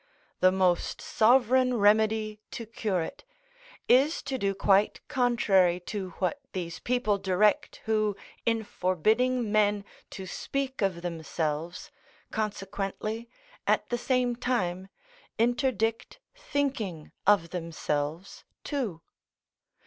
The most sovereign remedy to cure it, is to do quite contrary to what these people direct who, in forbidding men to speak of themselves, consequently, at the same time, interdict thinking of themselves too.